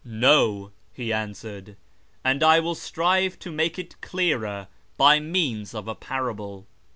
" No," he answered, " and I will strive to make it clearer by means of a parable.